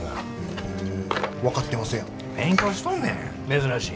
珍しい。